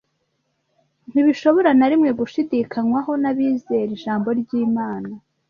ntibishobora na rimwe gushidikanywaho n’abizera Ijambo ry’Imana